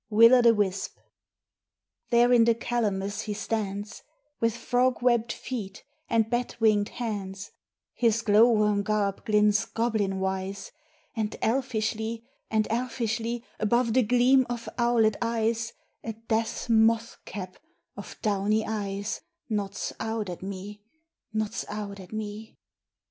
WILL O' THE WISP I. There in the calamus he stands With frog webbed feet and bat winged hands; His glow worm garb glints goblin wise; And elfishly, and elfishly, Above the gleam of owlet eyes, A death's moth cap of downy dyes Nods out at me, nods out at me.